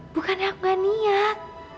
bukannya aku nggak niat